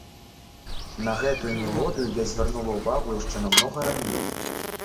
На гэтую мелодыю я звярнула ўвагу яшчэ намнога раней.